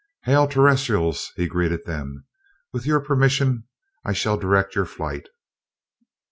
"Hail, Terrestrials!" he greeted them. "With your permission, I shall direct your flight."